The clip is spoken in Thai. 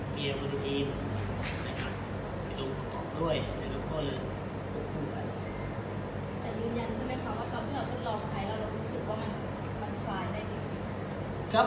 ครับอันนี้ผมทดลองกับตัวผมเองนะครับคนอื่นผมไม่เกี่ยวผมไม่ทราบ